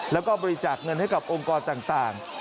แล้วก็บริจาคเงินให้กับองค์กรต่าง